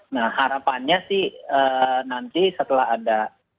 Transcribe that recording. nah harapannya sih nanti setelah ada